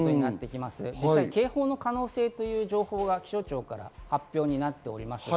実際、警報の可能性という情報が気象庁から発表されております。